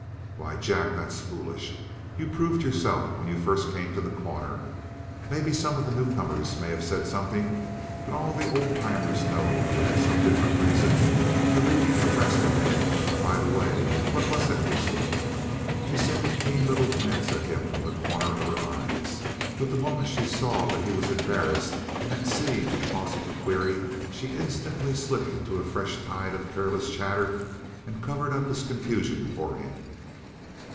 "Why, Jack, that's foolish. You proved yourself when you first came to The Corner. Maybe some of the newcomers may have said something, but all the old timers know you had some different reason for leaving the rest of them. By the way, what was the reason?" She sent a keen little glance at him from the corner of her eyes, but the moment she saw that he was embarrassed and at sea because of the query she instantly slipped into a fresh tide of careless chatter and covered up his confusion for him.